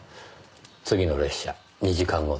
次の列車２時間後です。